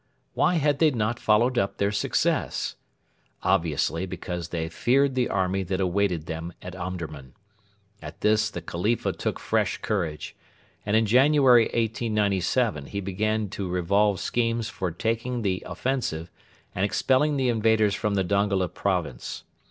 Why had they not followed up their success? Obviously because they feared the army that awaited them at Omdurman. At this the Khalifa took fresh courage, and in January 1897 he began to revolve schemes for taking the offensive and expelling the invaders from the Dongola province.